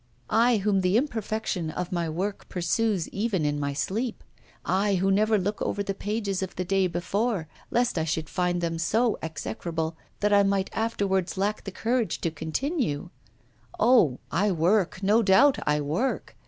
I, whom the imperfection of my work pursues even in my sleep I, who never look over the pages of the day before, lest I should find them so execrable that I might afterwards lack the courage to continue. Oh, I work, no doubt, I work!